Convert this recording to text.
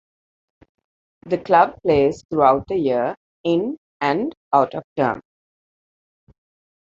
The club plays throughout the year in and out of term.